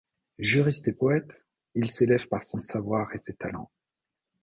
Juriste et poète, il s'élève par son savoir et ses talents.